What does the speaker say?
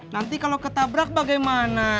nanti kalau ketabrak bagaimana